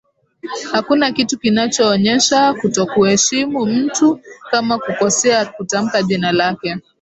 hakuna kitu kinachoonyesha kutokuheshimu mtu kama kukosea kutamka jina lake